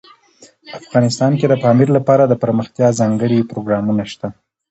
افغانستان کې د پامیر لپاره دپرمختیا ځانګړي پروګرامونه شته.